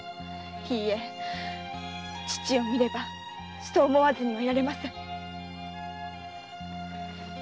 いいえ父を見ればそう思わずにはいられません。